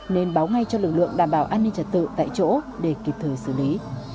nên báo ngay cho lực lượng đảm bảo an ninh trật tự tại chỗ để kịp thời xử lý